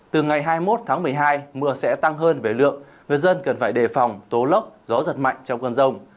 từ ngày hai mươi một tháng một mươi hai mưa sẽ tăng hơn về lượng người dân cần phải đề phòng tố lốc gió giật mạnh trong cơn rông